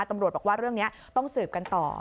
ตำรวจบอกว่าเรื่องนี้ต้องสืบกันต่อ